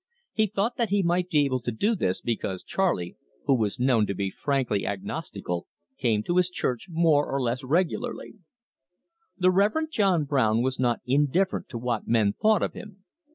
He thought that he might be able to do this, because Charley, who was known to be frankly agnostical, came to his church more or less regularly. The Rev. John Brown was not indifferent to what men thought of him.